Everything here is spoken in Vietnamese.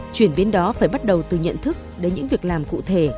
chuyển biến đó phải bắt đầu từ nhận thức đến những việc làm cụ thể